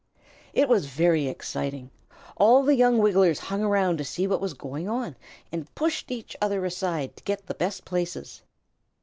It was very exciting. All the young Wigglers hung around to see what was going on, and pushed each other aside to get the best places.